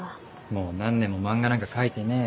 もう何年も漫画なんか描いてねえよ。